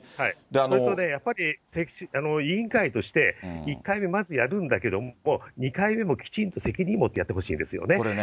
それとやっぱり、委員会として、１回目まずやるんだけれども、２回目もきちんと責任持ってやってほしいですよね。